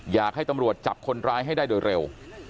อยากให้ตำรวจจับคนร้ายให้ได้โดยเร็ว